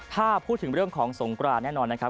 ถ้าพูดถึงเรื่องของสงกรานแน่นอนนะครับ